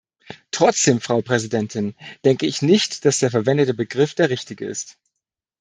Trotzdem, Frau Präsidentin, denke ich nicht, dass der verwendete Begriff der richtige ist.